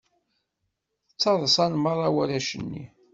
Ttaḍsan meṛṛa warrac-nni.